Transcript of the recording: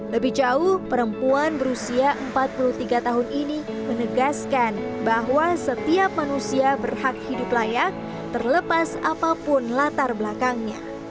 lebih jauh perempuan berusia empat puluh tiga tahun ini menegaskan bahwa setiap manusia berhak hidup layak terlepas apapun latar belakangnya